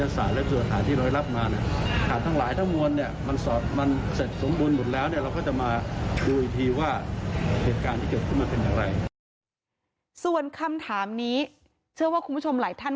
ส่วนคำถามนี้เชื่อว่าคุณผู้ชมหลายท่าน